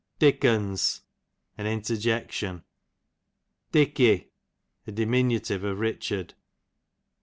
Dickons, an interjection. Dicky, a diminutire of Richard.